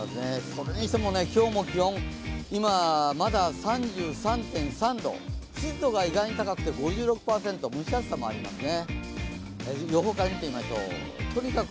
それにしても、今日も気温、今まだ３３．３度、湿度が意外に高くて５６％、蒸し暑さもありますね。